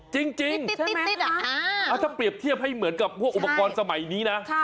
จริงถ้าเปรียบเทียบให้เหมือนกับพวกอุปกรณ์สมัยนี้นะ